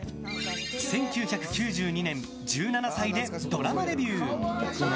１９９２年１７歳でドラマデビュー。